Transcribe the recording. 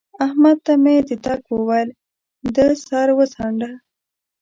احمد ته مې د تګ وويل؛ ده سر وڅانډه